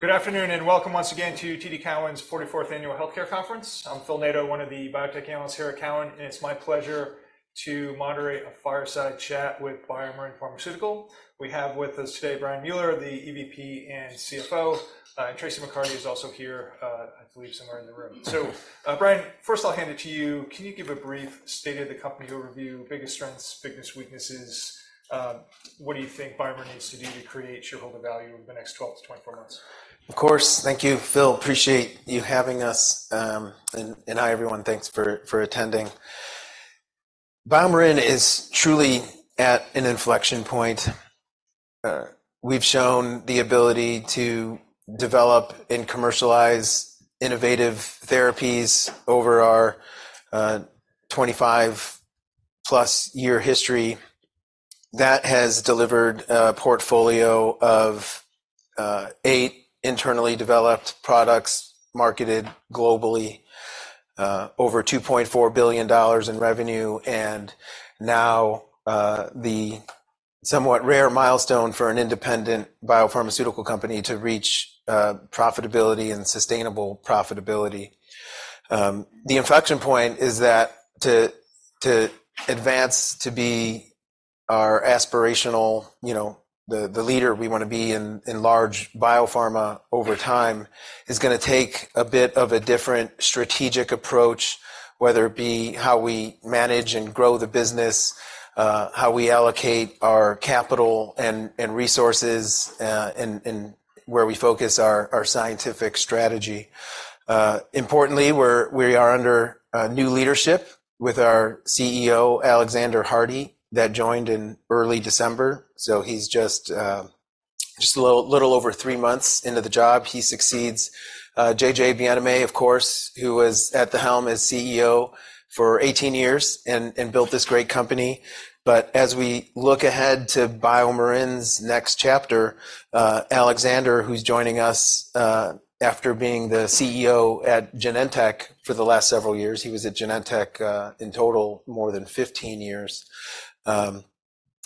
Good afternoon and welcome once again to TD Cowen's 44th Annual Healthcare Conference. I'm Phil Nadeau, one of the biotech analysts here at Cowen, and it's my pleasure to moderate a fireside chat with BioMarin Pharmaceutical. We have with us today Brian Mueller, the EVP and CFO, and Traci McCarty is also here, I believe, somewhere in the room. So Brian, first I'll hand it to you. Can you give a brief state-of-the-company overview, biggest strengths, biggest weaknesses? What do you think BioMarin needs to do to create shareholder value over the next 12 to 24 months? Of course. Thank you, Phil. Appreciate you having us. Hi everyone, thanks for attending. BioMarin is truly at an inflection point. We've shown the ability to develop and commercialize innovative therapies over our 25+-year history. That has delivered a portfolio of eight internally developed products marketed globally, over $2.4 billion in revenue, and now the somewhat rare milestone for an independent biopharmaceutical company to reach profitability and sustainable profitability. The inflection point is that to advance, to be our aspirational, the leader we want to be in large biopharma over time is going to take a bit of a different strategic approach, whether it be how we manage and grow the business, how we allocate our capital and resources, and where we focus our scientific strategy. Importantly, we are under new leadership with our CEO, Alexander Hardy, that joined in early December. So he's just a little over three months into the job. He succeeds J.J. Bienaimé, of course, who was at the helm as CEO for 18 years and built this great company. But as we look ahead to BioMarin's next chapter, Alexander, who's joining us after being the CEO at Genentech for the last several years, he was at Genentech in total more than 15 years.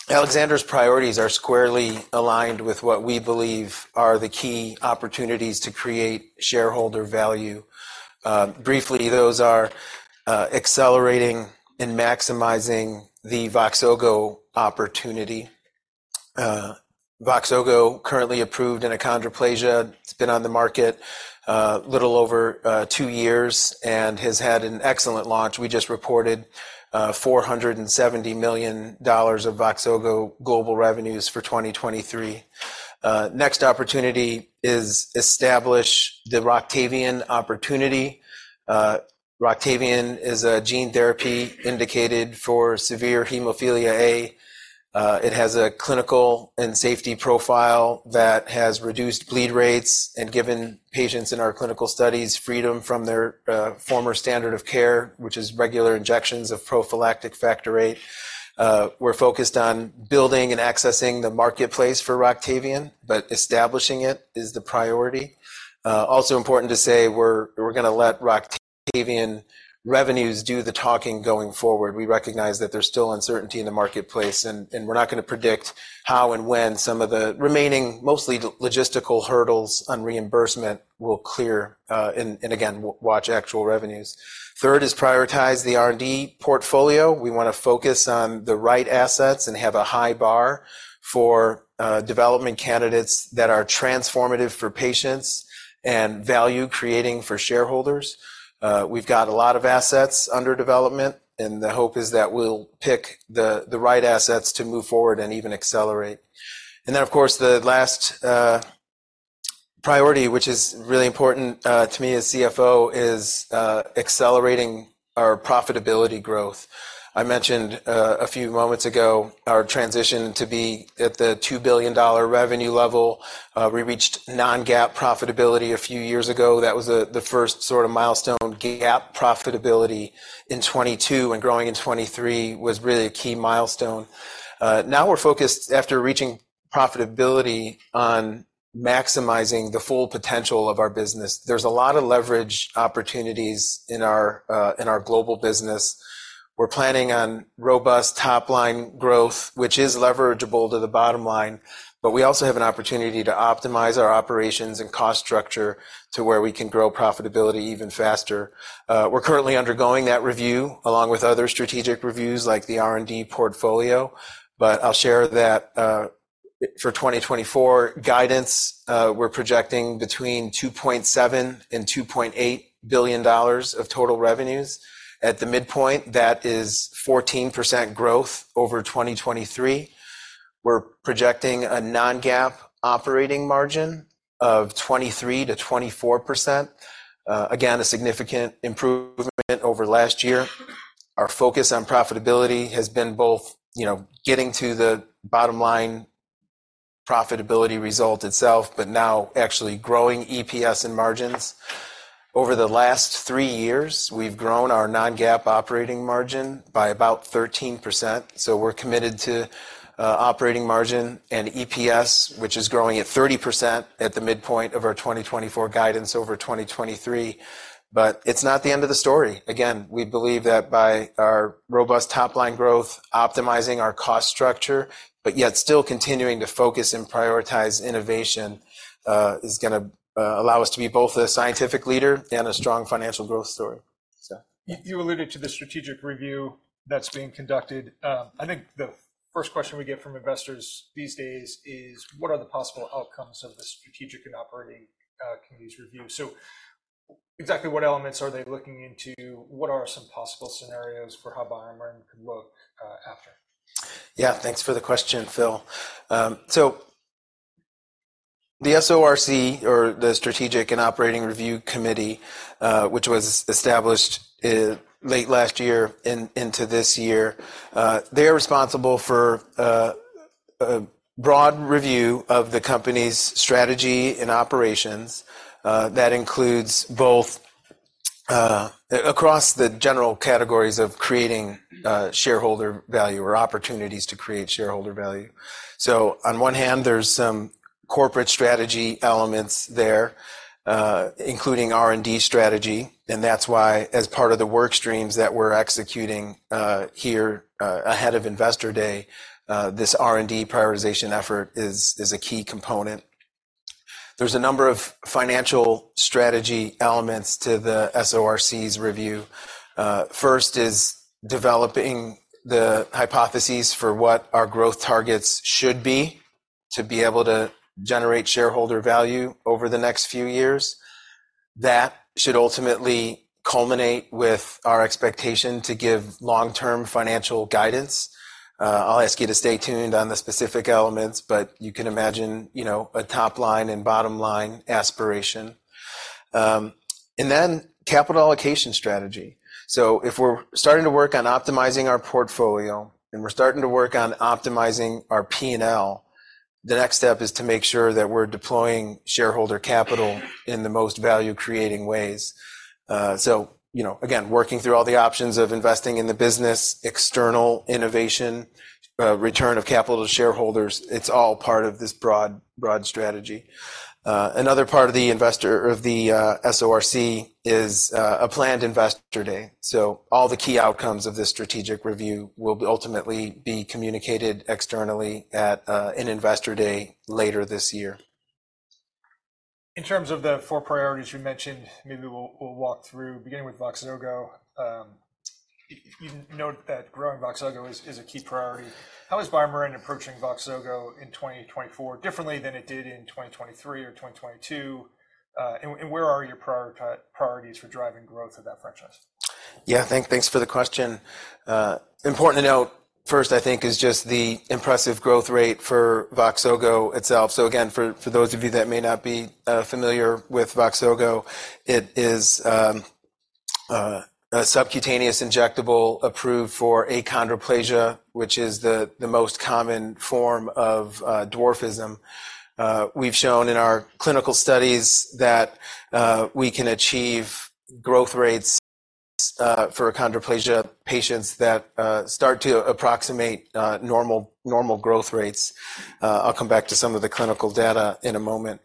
Alexander's priorities are squarely aligned with what we believe are the key opportunities to create shareholder value. Briefly, those are accelerating and maximizing the VOXZOGO opportunity. VOXZOGO currently approved in a achondroplasia. It's been on the market a little over two years and has had an excellent launch. We just reported $470 million of VOXZOGO global revenues for 2023. Next opportunity is to establish the Roctavian opportunity. Roctavian is a gene therapy indicated for severe hemophilia A. It has a clinical and safety profile that has reduced bleed rates and given patients in our clinical studies freedom from their former standard of care, which is regular injections of prophylactic factor VIII. We're focused on building and accessing the marketplace for Roctavian, but establishing it is the priority. Also important to say, we're going to let Roctavian revenues do the talking going forward. We recognize that there's still uncertainty in the marketplace, and we're not going to predict how and when some of the remaining mostly logistical hurdles on reimbursement will clear. And again, watch actual revenues. Third is prioritize the R&D portfolio. We want to focus on the right assets and have a high bar for development candidates that are transformative for patients and value creating for shareholders. We've got a lot of assets under development, and the hope is that we'll pick the right assets to move forward and even accelerate. Then, of course, the last priority, which is really important to me as CFO, is accelerating our profitability growth. I mentioned a few moments ago our transition to be at the $2 billion revenue level. We reached non-GAAP profitability a few years ago. That was the first sort of milestone GAAP profitability in 2022, and growing in 2023 was really a key milestone. Now we're focused, after reaching profitability, on maximizing the full potential of our business. There's a lot of leverage opportunities in our global business. We're planning on robust top-line growth, which is leverageable to the bottom line. But we also have an opportunity to optimize our operations and cost structure to where we can grow profitability even faster. We're currently undergoing that review along with other strategic reviews like the R&D portfolio. But I'll share that for 2024 guidance, we're projecting between $2.7 billion-$2.8 billion of total revenues. At the midpoint, that is 14% growth over 2023. We're projecting a non-GAAP operating margin of 23%-24%. Again, a significant improvement over last year. Our focus on profitability has been both getting to the bottom line profitability result itself, but now actually growing EPS and margins. Over the last three years, we've grown our non-GAAP operating margin by about 13%. So we're committed to operating margin and EPS, which is growing at 30% at the midpoint of our 2024 guidance over 2023. But it's not the end of the story. Again, we believe that by our robust top-line growth, optimizing our cost structure, but yet still continuing to focus and prioritize innovation, is going to allow us to be both a scientific leader and a strong financial growth story. You alluded to the strategic review that's being conducted. I think the first question we get from investors these days is, what are the possible outcomes of the strategic and operating committee's review? So exactly what elements are they looking into? What are some possible scenarios for how BioMarin could look after? Yeah, thanks for the question, Phil. So the SORC, or the Strategic and Operating Review Committee, which was established late last year into this year, they are responsible for a broad review of the company's strategy and operations. That includes both across the general categories of creating shareholder value or opportunities to create shareholder value. So on one hand, there's some corporate strategy elements there, including R&D strategy. And that's why, as part of the workstreams that we're executing here ahead of Investor Day, this R&D prioritization effort is a key component. There's a number of financial strategy elements to the SORC's review. First is developing the hypotheses for what our growth targets should be to be able to generate shareholder value over the next few years. That should ultimately culminate with our expectation to give long-term financial guidance. I'll ask you to stay tuned on the specific elements, but you can imagine a top-line and bottom-line aspiration. Then capital allocation strategy. So if we're starting to work on optimizing our portfolio and we're starting to work on optimizing our P&L, the next step is to make sure that we're deploying shareholder capital in the most value-creating ways. So again, working through all the options of investing in the business, external innovation, return of capital to shareholders, it's all part of this broad strategy. Another part of the work of the SORC is a planned Investor Day. So all the key outcomes of this strategic review will ultimately be communicated externally at an Investor Day later this year. In terms of the four priorities you mentioned, maybe we'll walk through beginning with VOXZOGO. You note that growing VOXZOGO is a key priority. How is BioMarin approaching VOXZOGO in 2024 differently than it did in 2023 or 2022? And where are your priorities for driving growth of that franchise? Yeah, thanks for the question. Important to note first, I think, is just the impressive growth rate for VOXZOGO itself. So again, for those of you that may not be familiar with VOXZOGO, it is a subcutaneous injectable approved for achondroplasia, which is the most common form of dwarfism. We've shown in our clinical studies that we can achieve growth rates for achondroplasia patients that start to approximate normal growth rates. I'll come back to some of the clinical data in a moment.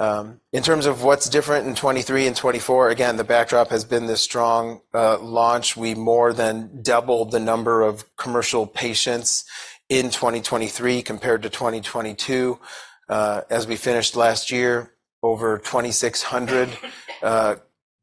In terms of what's different in 2023 and 2024, again, the backdrop has been this strong launch. We more than doubled the number of commercial patients in 2023 compared to 2022. As we finished last year, over 2,600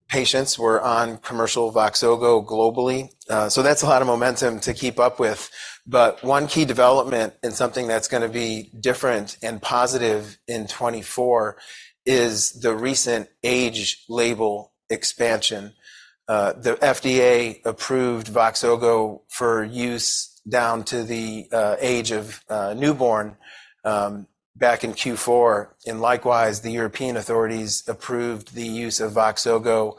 patients were on commercial VOXZOGO globally. So that's a lot of momentum to keep up with. But one key development in something that's going to be different and positive in 2024 is the recent age label expansion. The FDA approved VOXZOGO for use down to the age of newborn back in Q4. And likewise, the European authorities approved the use of VOXZOGO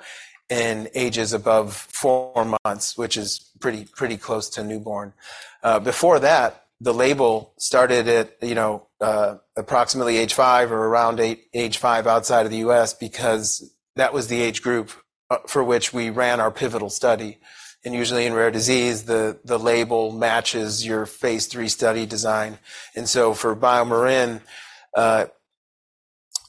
in ages above four months, which is pretty close to newborn. Before that, the label started at approximately age five or around age five outside of the U.S. because that was the age group for which we ran our pivotal study. And usually in rare disease, the label matches your phase 3 study design. And so for BioMarin,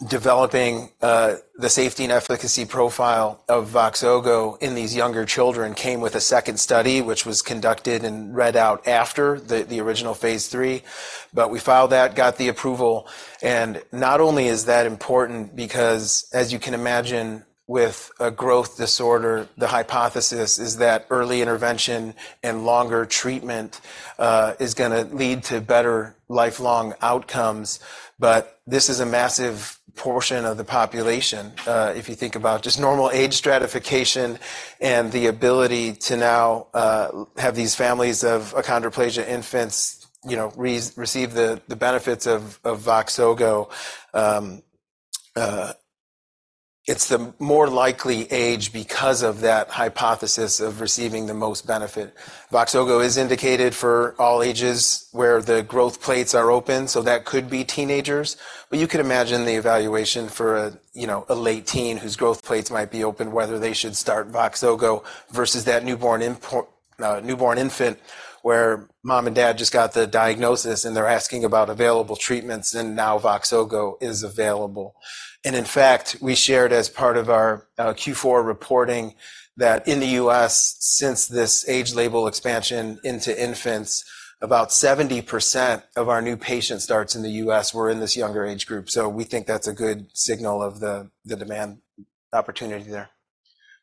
developing the safety and efficacy profile of VOXZOGO in these younger children came with a second study, which was conducted and read out after the original phase 3. But we filed that, got the approval. And not only is that important because, as you can imagine, with a growth disorder, the hypothesis is that early intervention and longer treatment is going to lead to better lifelong outcomes. But this is a massive portion of the population. If you think about just normal age stratification and the ability to now have these families of achondroplasia infants receive the benefits of VOXZOGO, it's the more likely age because of that hypothesis of receiving the most benefit. VOXZOGO is indicated for all ages where the growth plates are open. So that could be teenagers. But you could imagine the evaluation for a late teen whose growth plates might be open, whether they should start VOXZOGO versus that newborn infant where mom and dad just got the diagnosis and they're asking about available treatments and now VOXZOGO is available. In fact, we shared as part of our Q4 reporting that in the U.S., since this age label expansion into infants, about 70% of our new patients starts in the U.S. were in this younger age group. We think that's a good signal of the demand opportunity there.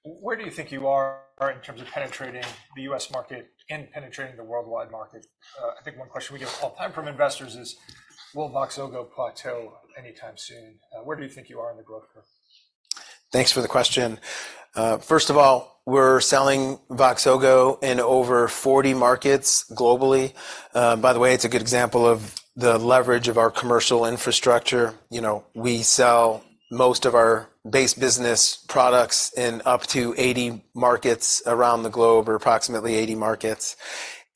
Where do you think you are in terms of penetrating the U.S. market and penetrating the worldwide market? I think one question we get all the time from investors is, will VOXZOGO plateau anytime soon? Where do you think you are in the growth curve? Thanks for the question. First of all, we're selling VOXZOGO in over 40 markets globally. By the way, it's a good example of the leverage of our commercial infrastructure. We sell most of our base business products in up to 80 markets around the globe, or approximately 80 markets.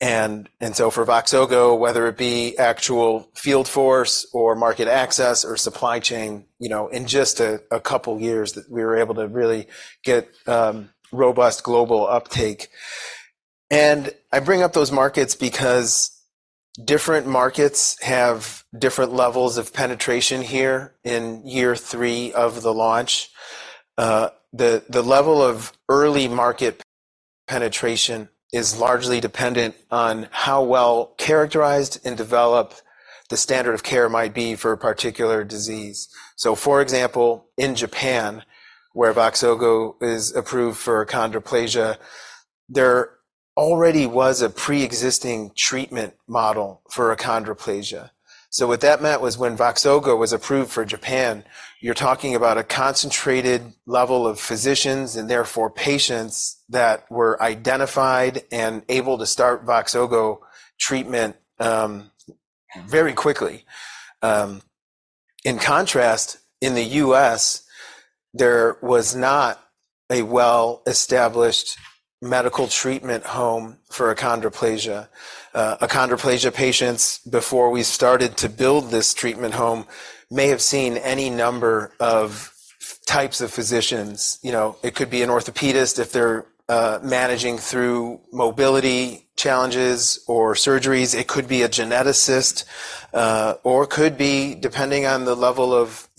And so for VOXZOGO, whether it be actual field force or market access or supply chain, in just a couple of years that we were able to really get robust global uptake. And I bring up those markets because different markets have different levels of penetration here in year three of the launch. The level of early market penetration is largely dependent on how well characterized and developed the standard of care might be for a particular disease. So for example, in Japan, where VOXZOGO is approved for achondroplasia, there already was a pre-existing treatment model for achondroplasia. So what that meant was when VOXZOGO was approved for Japan, you're talking about a concentrated level of physicians and therefore patients that were identified and able to start VOXZOGO treatment very quickly. In contrast, in the US, there was not a well-established medical treatment home for achondroplasia. Achondroplasia patients, before we started to build this treatment home, may have seen any number of types of physicians. It could be an orthopedist if they're managing through mobility challenges or surgeries. It could be a geneticist. Or it could be, depending on the level of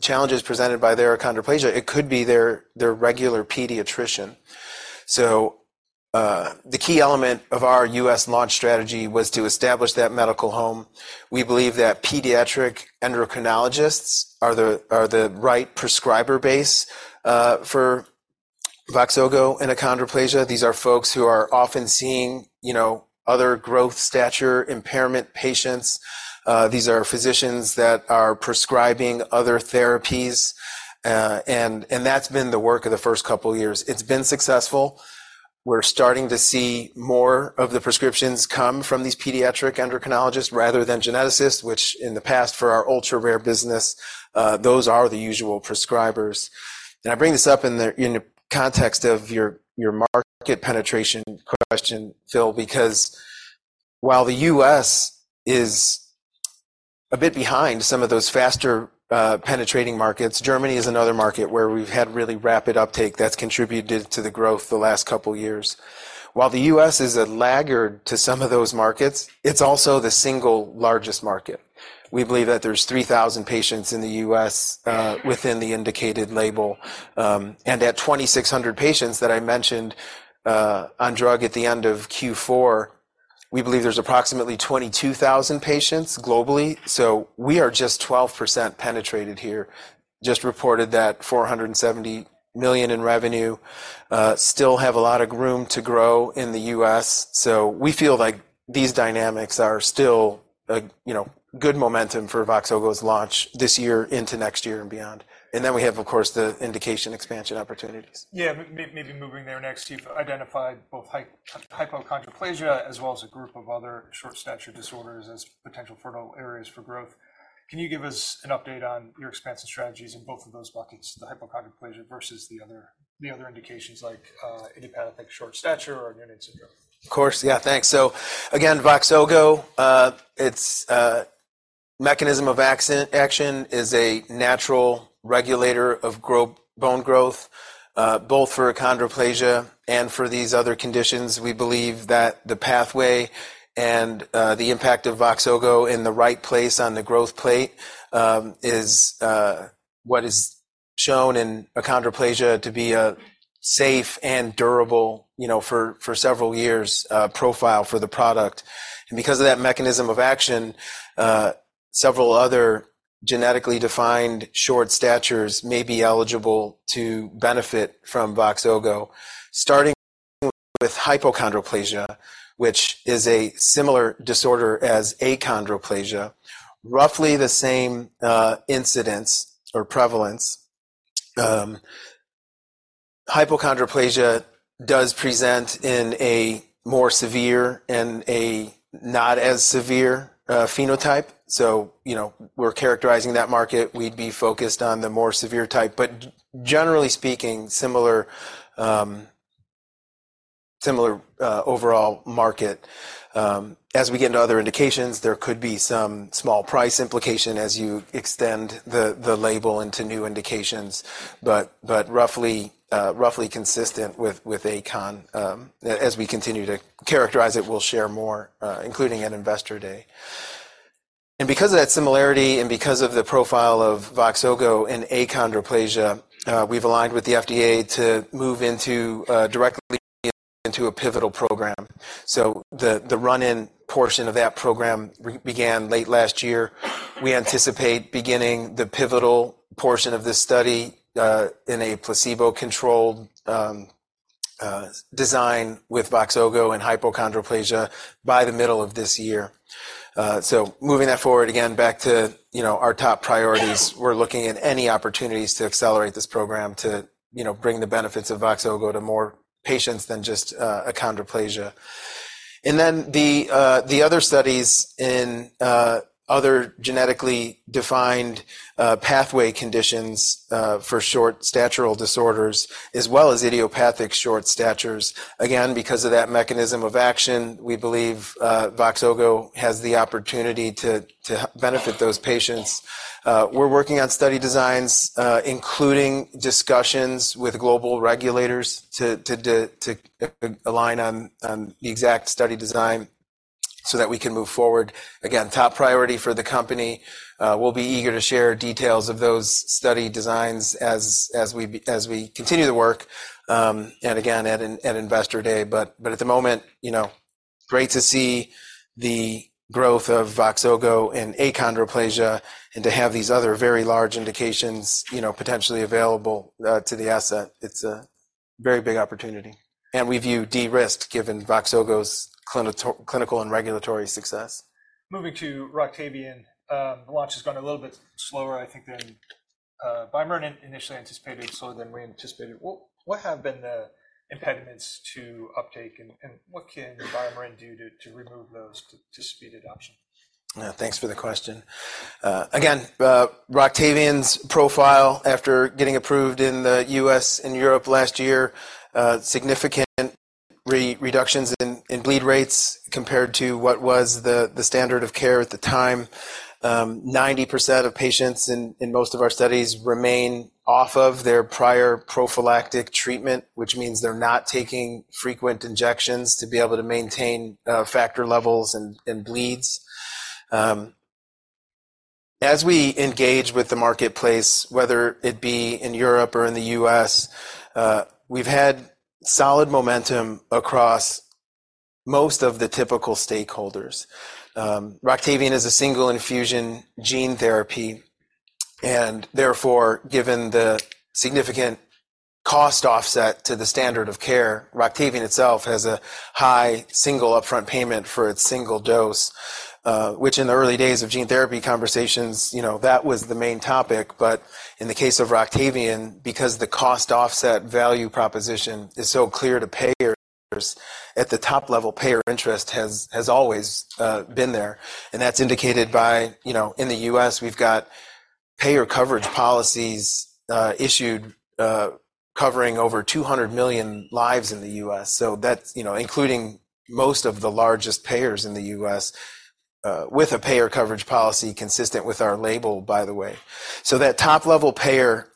challenges presented by their achondroplasia, it could be their regular pediatrician. So the key element of our US launch strategy was to establish that medical home. We believe that pediatric endocrinologists are the right prescriber base for VOXZOGO and achondroplasia. These are folks who are often seeing other growth stature impairment patients. These are physicians that are prescribing other therapies. That's been the work of the first couple of years. It's been successful. We're starting to see more of the prescriptions come from these pediatric endocrinologists rather than geneticists, which in the past for our ultra-rare business, those are the usual prescribers. I bring this up in the context of your market penetration question, Phil, because while the U.S. is a bit behind some of those faster penetrating markets, Germany is another market where we've had really rapid uptake that's contributed to the growth the last couple of years. While the U.S. is a laggard to some of those markets, it's also the single largest market. We believe that there's 3,000 patients in the U.S. within the indicated label. At 2,600 patients that I mentioned on drug at the end of Q4, we believe there's approximately 22,000 patients globally. So we are just 12% penetrated here, just reported $470 million in revenue. Still have a lot of room to grow in the US. So we feel like these dynamics are still good momentum for VOXZOGO's launch this year into next year and beyond. And then we have, of course, the indication expansion opportunities. Yeah, maybe moving there next, you've identified both hypochondroplasia as well as a group of other short stature disorders as potential fertile areas for growth. Can you give us an update on your expansion strategies in both of those buckets, the hypochondroplasia versus the other indications like idiopathic short stature or Noonan syndrome? Of course. Yeah, thanks. So again, VOXZOGO, its mechanism of action is a natural regulator of bone growth. Both for achondroplasia and for these other conditions, we believe that the pathway and the impact of VOXZOGO in the right place on the growth plate is what is shown in achondroplasia to be a safe and durable for several years profile for the product. And because of that mechanism of action, several other genetically defined short statures may be eligible to benefit from VOXZOGO. Starting with hypochondroplasia, which is a similar disorder as achondroplasia, roughly the same incidence or prevalence. Hypochondroplasia does present in a more severe and a not as severe phenotype. So we're characterizing that market. We'd be focused on the more severe type, but generally speaking, similar overall market. As we get into other indications, there could be some small price implication as you extend the label into new indications, but roughly consistent with achondroplasia. As we continue to characterize it, we'll share more, including at Investor Day. And because of that similarity and because of the profile of VOXZOGO and achondroplasia, we've aligned with the FDA to move directly into a pivotal program. So the run-in portion of that program began late last year. We anticipate beginning the pivotal portion of this study in a placebo-controlled design with VOXZOGO and hypochondroplasia by the middle of this year. So moving that forward again, back to our top priorities, we're looking at any opportunities to accelerate this program to bring the benefits of VOXZOGO to more patients than just achondroplasia. And then the other studies in other genetically defined pathway conditions for short stature disorders, as well as idiopathic short stature, again, because of that mechanism of action, we believe VOXZOGO has the opportunity to benefit those patients. We're working on study designs, including discussions with global regulators to align on the exact study design so that we can move forward. Again, top priority for the company. We'll be eager to share details of those study designs as we continue the work. And again, at Investor Day. But at the moment, great to see the growth of VOXZOGO and Achondroplasia and to have these other very large indications potentially available to the asset. It's a very big opportunity. And we view de-risk given VOXZOGO's clinical and regulatory success. Moving to Roctavian, the launch has gone a little bit slower, I think, than BioMarin initially anticipated, slower than we anticipated. What have been the impediments to uptake? What can BioMarin do to remove those to speed adoption? Thanks for the question. Again, Roctavian's profile after getting approved in the U.S. and Europe last year, significant reductions in bleed rates compared to what was the standard of care at the time. 90% of patients in most of our studies remain off of their prior prophylactic treatment, which means they're not taking frequent injections to be able to maintain factor levels and bleeds. As we engage with the marketplace, whether it be in Europe or in the U.S., we've had solid momentum across most of the typical stakeholders. Roctavian is a single infusion gene therapy. Therefore, given the significant cost offset to the standard of care, Roctavian itself has a high single upfront payment for its single dose. Which in the early days of gene therapy conversations, that was the main topic. But in the case of Roctavian, because the cost offset value proposition is so clear to payers, at the top level, payer interest has always been there. And that's indicated by in the U.S., we've got payer coverage policies issued covering over 200 million lives in the U.S. So that's including most of the largest payers in the U.S., with a payer coverage policy consistent with our label, by the way. So that top-level payer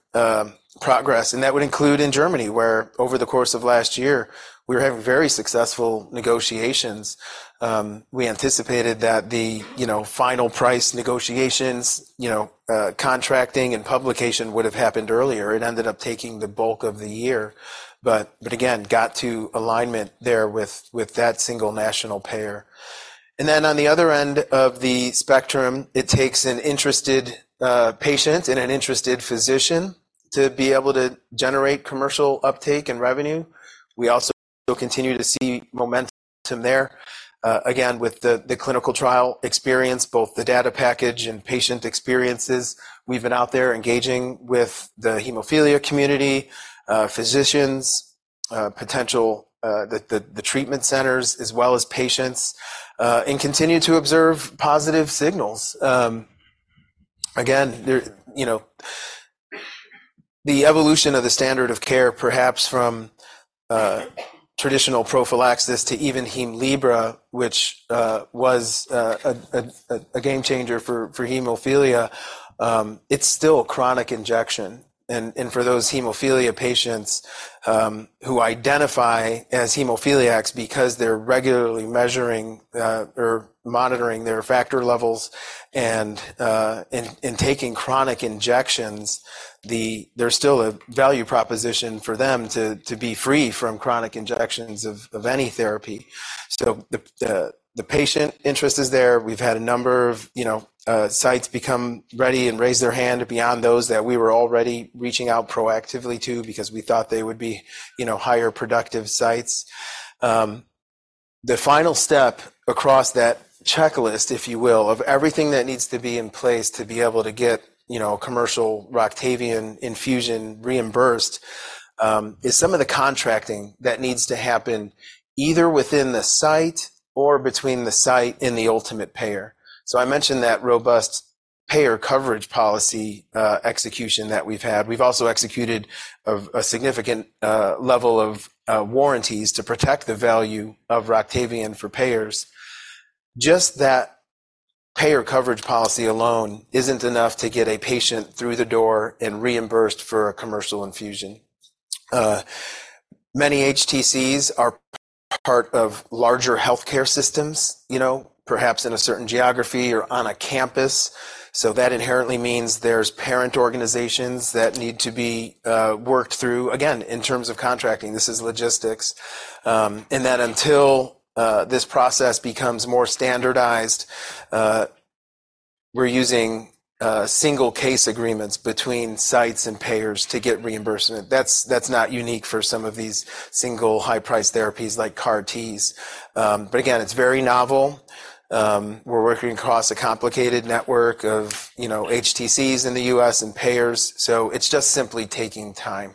progress, and that would include in Germany, where over the course of last year, we were having very successful negotiations. We anticipated that the final price negotiations, contracting and publication would have happened earlier. It ended up taking the bulk of the year. But again, got to alignment there with that single national payer. And then on the other end of the spectrum, it takes an interested patient and an interested physician to be able to generate commercial uptake and revenue. We also continue to see momentum there. Again, with the clinical trial experience, both the data package and patient experiences, we've been out there engaging with the hemophilia community, physicians, potential treatment centers, as well as patients, and continue to observe positive signals. Again, the evolution of the standard of care, perhaps from traditional prophylaxis to even Hemlibra, which was a game changer for hemophilia, it's still chronic injection. And for those hemophilia patients who identify as hemophiliacs because they're regularly measuring or monitoring their factor levels and taking chronic injections, there's still a value proposition for them to be free from chronic injections of any therapy. So the patient interest is there. We've had a number of sites become ready and raise their hand beyond those that we were already reaching out proactively to because we thought they would be higher productive sites. The final step across that checklist, if you will, of everything that needs to be in place to be able to get commercial Roctavian infusion reimbursed, is some of the contracting that needs to happen either within the site or between the site and the ultimate payer. So I mentioned that robust payer coverage policy execution that we've had. We've also executed a significant level of warranties to protect the value of Roctavian for payers. Just that payer coverage policy alone isn't enough to get a patient through the door and reimbursed for a commercial infusion. Many HTCs are part of larger healthcare systems, perhaps in a certain geography or on a campus. So that inherently means there's parent organizations that need to be worked through, again, in terms of contracting. This is logistics. And that until this process becomes more standardized, we're using single case agreements between sites and payers to get reimbursement. That's not unique for some of these single high-price therapies like CAR-Ts. But again, it's very novel. We're working across a complicated network of HTCs in the U.S. and payers. So it's just simply taking time.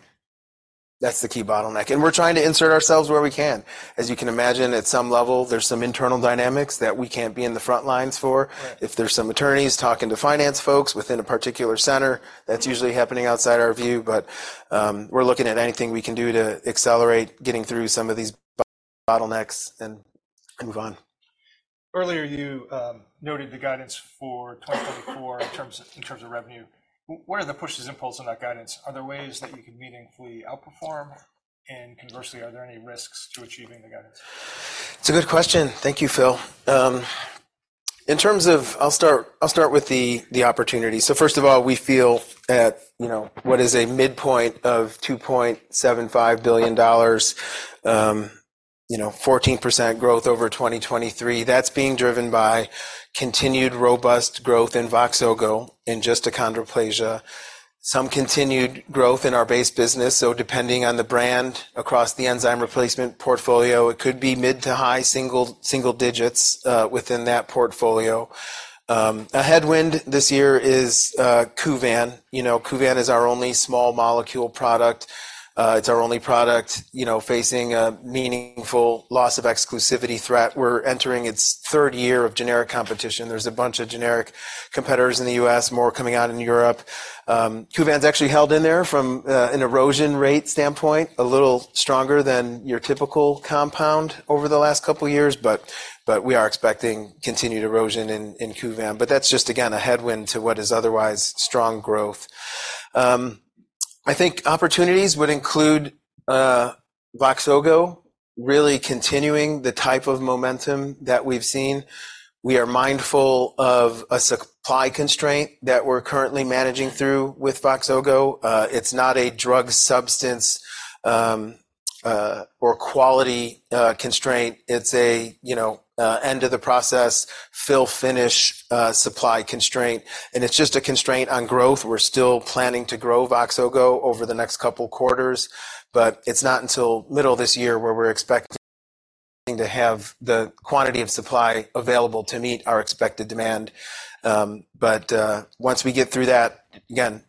That's the key bottleneck. And we're trying to insert ourselves where we can. As you can imagine, at some level, there's some internal dynamics that we can't be in the front lines for. If there's some attorneys talking to finance folks within a particular center, that's usually happening outside our view. But we're looking at anything we can do to accelerate getting through some of these bottlenecks and move on. Earlier, you noted the guidance for 2024 in terms of revenue. What are the pushes, impulses on that guidance? Are there ways that you can meaningfully outperform? And conversely, are there any risks to achieving the guidance? It's a good question. Thank you, Phil. In terms of, I'll start with the opportunity. So first of all, we feel that what's a midpoint of $2.75 billion, 14% growth over 2023, that's being driven by continued robust growth in VOXZOGO and just achondroplasia. Some continued growth in our base business. So depending on the brand across the enzyme replacement portfolio, it could be mid to high single digits within that portfolio. A headwind this year is KUVAN. KUVAN is our only small molecule product. It's our only product facing a meaningful loss of exclusivity threat. We're entering its third year of generic competition. There's a bunch of generic competitors in the U.S., more coming out in Europe. KUVAN's actually held in there from an erosion rate standpoint, a little stronger than your typical compound over the last couple of years. But we are expecting continued erosion in KUVAN. But that's just, again, a headwind to what is otherwise strong growth. I think opportunities would include VOXZOGO really continuing the type of momentum that we've seen. We are mindful of a supply constraint that we're currently managing through with VOXZOGO. It's not a drug substance or quality constraint. It's an end-of-the-process, fill-finish supply constraint. And it's just a constraint on growth. We're still planning to grow VOXZOGO over the next couple of quarters. But it's not until middle of this year where we're expecting to have the quantity of supply available to meet our expected demand. But once we get through that, again,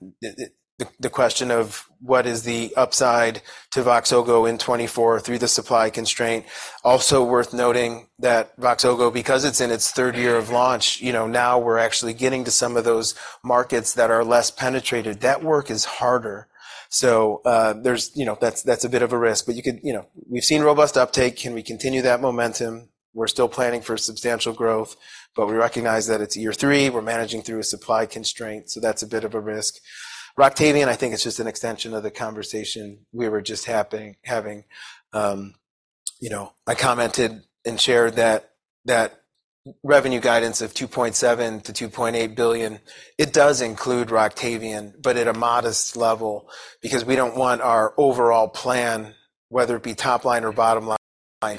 the question of what is the upside to VOXZOGO in 2024 through the supply constraint. Also worth noting that VOXZOGO, because it's in its third year of launch, now we're actually getting to some of those markets that are less penetrated. That work is harder. So that's a bit of a risk. But we've seen robust uptake. Can we continue that momentum? We're still planning for substantial growth. But we recognize that it's year three. We're managing through a supply constraint. So that's a bit of a risk. Roctavian, I think it's just an extension of the conversation we were just having. I commented and shared that revenue guidance of $2.7 billion-$2.8 billion, it does include Roctavian, but at a modest level, because we don't want our overall plan, whether it be top line or bottom line,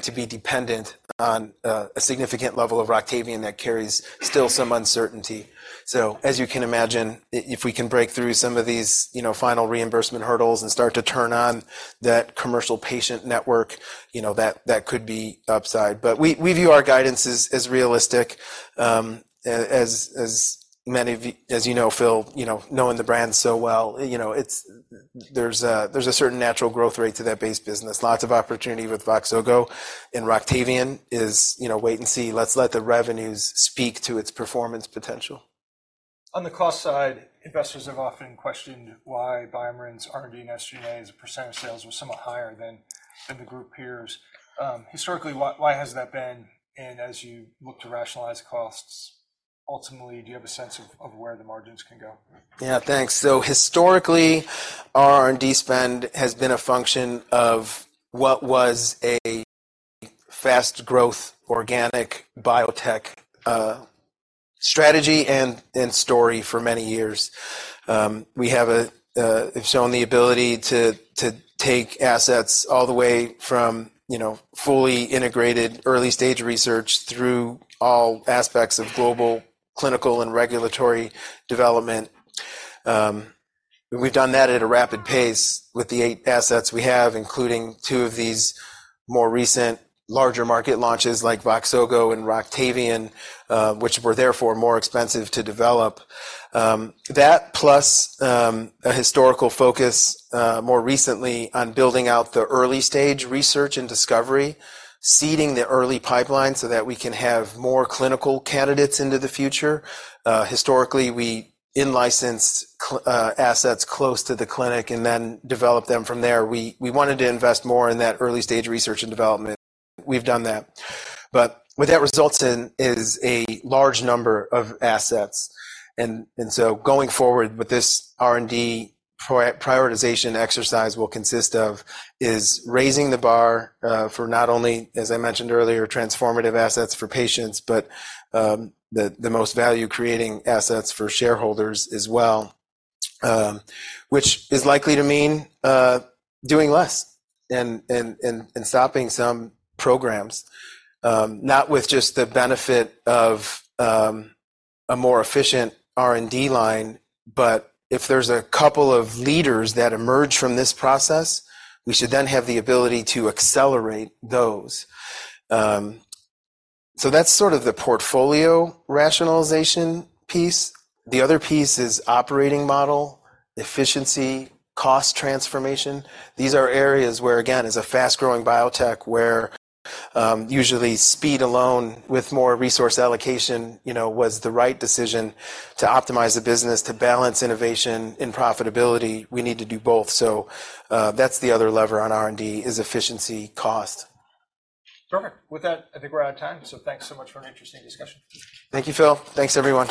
to be dependent on a significant level of Roctavian that carries still some uncertainty. So as you can imagine, if we can break through some of these final reimbursement hurdles and start to turn on that commercial patient network, that could be upside. But we view our guidance as realistic. As you know, Phil, knowing the brand so well, there's a certain natural growth rate to that base business. Lots of opportunity with VOXZOGO. And Roctavian is wait and see. Let's let the revenues speak to its performance potential. On the cost side, investors have often questioned why BioMarin's R&D and SG&A's percentage sales were somewhat higher than the group peers. Historically, why has that been? And as you look to rationalize costs, ultimately, do you have a sense of where the margins can go? Yeah, thanks. So historically, our R&D spend has been a function of what was a fast-growth organic biotech strategy and story for many years. We have shown the ability to take assets all the way from fully integrated early-stage research through all aspects of global clinical and regulatory development. We've done that at a rapid pace with the eight assets we have, including two of these more recent larger market launches like VOXZOGO and Roctavian, which were therefore more expensive to develop. That plus a historical focus more recently on building out the early-stage research and discovery, seeding the early pipeline so that we can have more clinical candidates into the future. Historically, we licensed assets close to the clinic and then developed them from there. We wanted to invest more in that early-stage research and development. We've done that. But what that results in is a large number of assets. And so going forward with this R&D prioritization exercise will consist of raising the bar for not only, as I mentioned earlier, transformative assets for patients, but the most value-creating assets for shareholders as well. Which is likely to mean doing less and stopping some programs, not with just the benefit of a more efficient R&D line, but if there's a couple of leaders that emerge from this process, we should then have the ability to accelerate those. So that's sort of the portfolio rationalization piece. The other piece is operating model, efficiency, cost transformation. These are areas where, again, as a fast-growing biotech where usually speed alone with more resource allocation was the right decision to optimize the business, to balance innovation and profitability. We need to do both. So that's the other lever on R&D is efficiency, cost. Perfect. With that, I think we're out of time. So thanks so much for an interesting discussion. Thank you, Phil. Thanks, everyone.